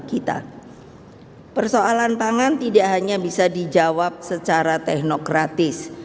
kita persoalan pangan tidak hanya bisa dijawab secara teknokratis